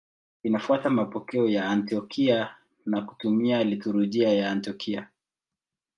Linafuata mapokeo ya Antiokia na kutumia liturujia ya Antiokia.